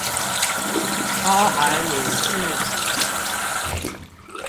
包含你自己